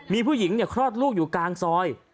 มีผู้หญิงคลอดลูกอยู่กลางซอย